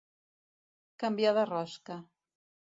Canviar de rosca.